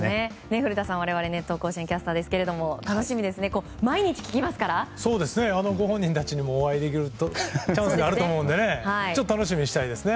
古田さん、我々は「熱闘甲子園」のキャスターですがご本人たちにもお会いできるチャンスがあると思うので楽しみにしたいですね。